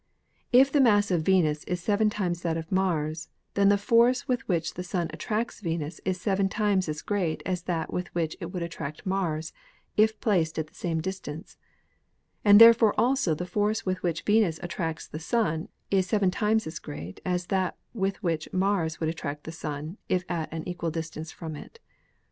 If the mass of Venus is seven times that of Mars, then the force with which the Sun attracts Venus is seven times as great as that with which it would attract Mars if placed at the same distance ; and therefore also the force with which Venus attracts the Sun is seven times as great as that with which Mars would attract the Sun if at an equal distance from it.